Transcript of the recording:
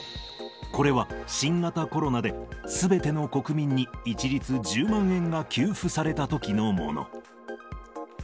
これは新型コロナですべての国民に一律１０万円が給付されたときのもの。